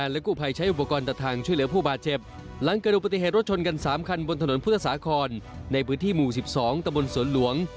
ในพื้นที่หมู่๑๒ตมสวนหลวง